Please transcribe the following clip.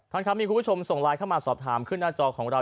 ครับมีคุณผู้ชมส่งไลน์เข้ามาสอบถามขึ้นหน้าจอของเรา